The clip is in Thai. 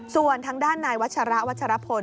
ส่วนทางด้านนายวัชระวัชรพล